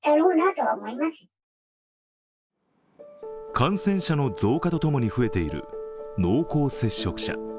感染者の増加とともに増えている濃厚接触者。